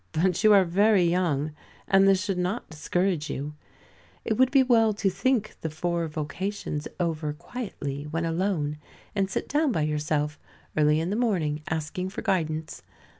But you are very young, and this should not discourage you. It would be well to think the four vocations over quietly, when alone, and sit down by yourself early in the morning asking for guidance.